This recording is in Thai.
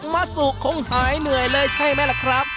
มัสสุคงหายเหนื่อยเลยใช่มั้ยครับ